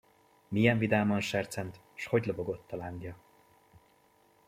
Milyen vidáman sercent, s hogy lobogott a lángja!